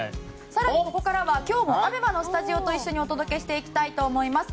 更にここからは今日もＡＢＥＭＡのスタジオと一緒にお届けします。